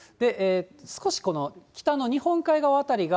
少しこの北の日本海側辺りが、